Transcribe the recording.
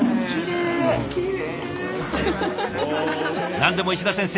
何でも石田先生